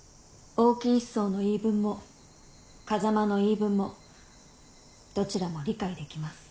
１曹の言い分も風間の言い分もどちらも理解できます。